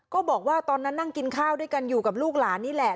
ก็บอกว่าตอนนั้นนั่งกินข้าวด้วยกันอยู่กับลูกหลานนี่แหละ